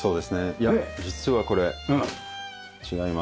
いや実はこれ違います。